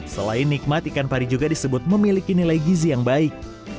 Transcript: selain nikmat ikan pari juga disebut memiliki nilai gizi yang baik